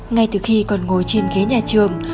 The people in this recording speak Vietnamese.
ngay từ khi còn ngồi trên ghế nhà trường